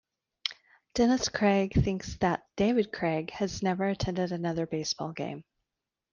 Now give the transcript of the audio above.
Dennis Cregg thinks that David Cregg has never attended another baseball game.